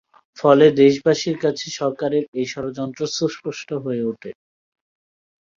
ফলে দেশবাসীর কাছে সরকারের এ ষড়যন্ত্র সুস্পষ্ট হয়ে ওঠে।